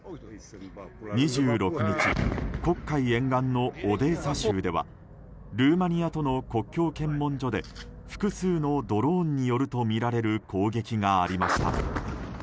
２６日黒海沿岸のオデーサ州ではルーマニアとの国境検問所で複数のドローンによるとみられる攻撃がありました。